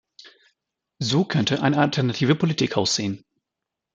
So könnte eine alternative Politik aussehen.